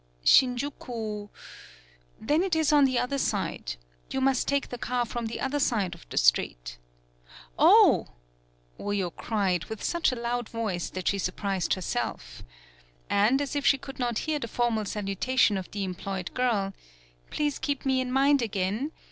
"Shinjuku. ... Then it is on the other side. You must take the car from the other side of the street." "Oh!" Oyo cried, with such a loud 76 THE BILL COLLECTING voice that she surprised herself. And as if she could not hear the formal salu tation of the employed girl, "Please keep me in mind again